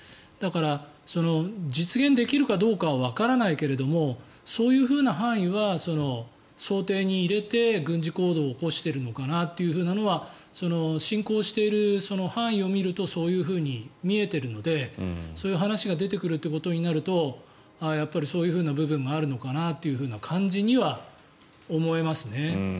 だから、実現できるかどうかはわからないけどそういう範囲は想定に入れて軍事行動を起こしてるのかなとは侵攻している範囲を見るとそういうふうに見えているのでそういう話が出てくるということになるとやっぱりそういう部分があるのかなという感じには思えます。